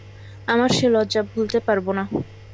আমার সে লজ্জা ভুলতে পারব না।